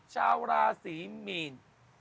ชาวราศีมีน